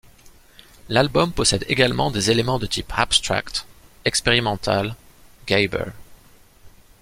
L'album possède également des éléments de type abstract, expérimentale, gabber.